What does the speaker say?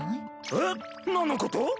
えっなんのこと？